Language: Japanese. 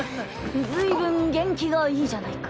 随分元気がいいじゃないか。